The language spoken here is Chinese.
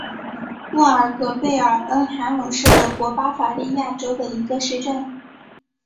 布尔格贝尔恩海姆是德国巴伐利亚州的一个市镇。